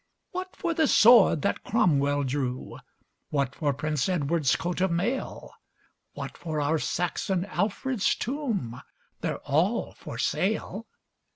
What for the sword that Cromwell drew? What for Prince Edward's coat of mail? What for our Saxon Alfred's tomb? They're all for sale!